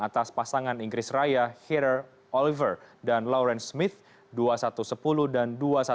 atas pasangan inggris raya heirer oliver dan lauren smith dua ribu satu ratus sepuluh dan dua ribu satu ratus tiga belas